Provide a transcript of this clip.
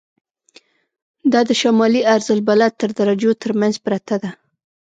دا د شمالي عرض البلد تر درجو تر منځ پرته ده.